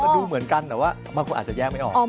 ดูเหมือนกันแต่ว่าบางคนอาจจะแยกไม่ออก